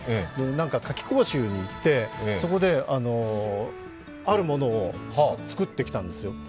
なんか夏季講習に行ってそこであるものを作ってきたんですよ。